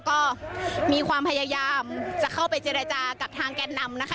ก็มีความพยายามจะเข้าไปเจรจากับทางแก่นนำนะคะ